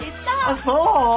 あっそう？